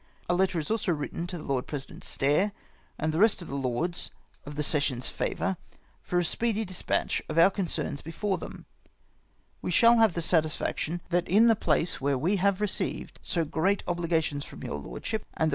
A letter is also written to the Lord President Stair and the rest of the lords of the session's favour for a speedy dispatch of our concerns before them. We shall have the satisfaction that in the place where we have received so great obligations from your lordship and the ACCOUNT OF THE DUNDOXALD FAMILY.